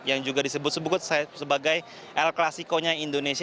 yang juga disebut sebagai el clasico nya indonesia